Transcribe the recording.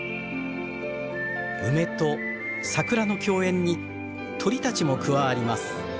梅と桜の共演に鳥たちも加わります。